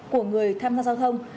của người tham gia giao thông